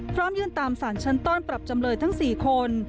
พร้อมยื่นตามสารชั้นต้อนปรับจำเลยทั้ง๔คน